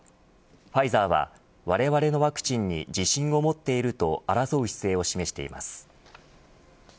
ファイザーはわれわれのワクチンに自信を持っていると争う姿勢を示しています。